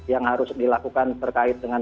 yang harus dilakukan terkait dengan